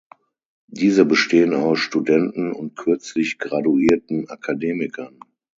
Diese bestehen aus Studenten und kürzlich graduierten Akademikern.